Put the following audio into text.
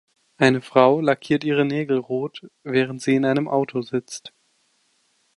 Eine Frau lackiert ihre Nägel rot, während sie in einem Auto sitzt.